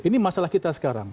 ini masalah kita sekarang